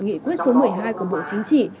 nghị quyết số một mươi hai của bộ chính trị